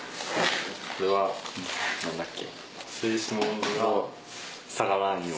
これは何だっけ。